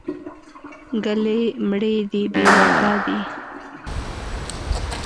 ګلې مړې دې بې وفا دي.